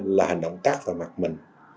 là hành động cắt vào mặt mình